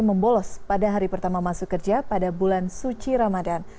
membolos pada hari pertama masuk kerja pada bulan suci ramadan